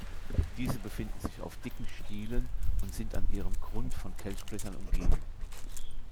Diese befinden sich auf dicken Stielen und sind an ihrem Grund von Kelchblättern umgeben.